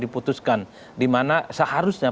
diputuskan di mana seharusnya